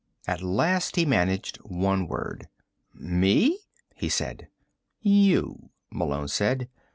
At last he managed one word. "Me?" he said. "You," Malone said.